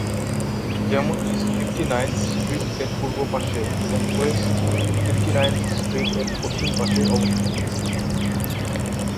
যেমন east fifty ninth street এর পূর্ব পাশে এবং ওয়েস্ট ফিফটি-নাইনথ স্ট্রিট এর পশ্চিম পাশে অবস্থিত।